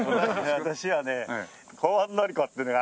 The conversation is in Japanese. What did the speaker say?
私はね